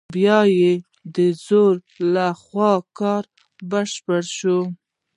بیا یې د زوی له خوا کار بشپړ شو.